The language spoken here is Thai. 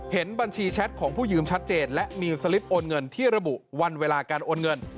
เห็นบัญชีแชทของผู้ยืมชัดเจนและมีสลิปโอนเงินที่ระบุวันเวลาการโอนเงิน